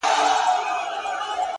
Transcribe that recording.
o یوه خولگۍ خو مسته ـ راته جناب راکه ـ